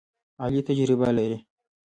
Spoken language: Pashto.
علي تجربه لري.